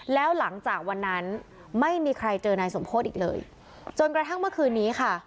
แล้วหลังจากวันนั้นไม่มีใครเจอนายสมโพธิอีกเลยจนกระทั่งเมื่อคืนนี้ค่ะ